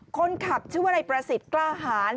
คนขับชื่อว่านายประสิทธิ์กล้าหาร